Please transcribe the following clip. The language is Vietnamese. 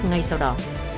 ngay sau đó